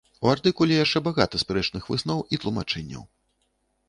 У артыкуле яшчэ багата спрэчных высноў і тлумачэнняў.